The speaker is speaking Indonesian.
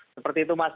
seperti itu mas